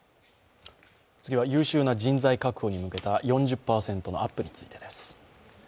次は優秀な人材確保に向けた４０％のアップについてです。